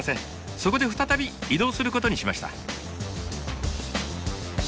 そこで再び移動することにしました。